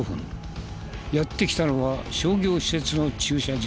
やって来たのは商業施設の駐車場。